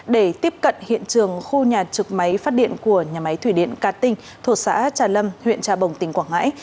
để tiếp cận hiện trường khu nhà trực máy phát điện của nhà máy thủy điện cát tinh thuộc xã trà lâm huyện trà bồng tỉnh quảng ngãi